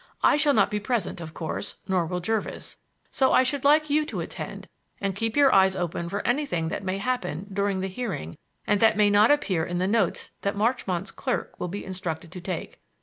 I shall not be present, of course, nor will Jervis, so I should like you to attend and keep your eyes open for anything that may happen during the hearing and that may not appear in the notes that Marchmont's clerk will be instructed to take.